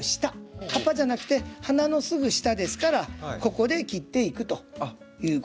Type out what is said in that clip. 葉っぱじゃなくて花のすぐ下ですからここで切っていくということです。